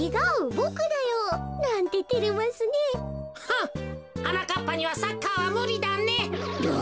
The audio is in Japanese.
はなかっぱにはサッカーはむりだね。